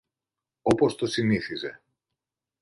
όπως το συνήθιζε